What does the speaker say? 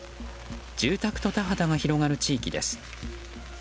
住宅と田畑が広がる地域です。